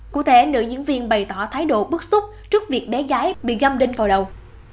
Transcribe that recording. cụ thể nữ diễn viên bày tỏ thái độ bức xúc trước việc bé gái bị găm đinh vào đầu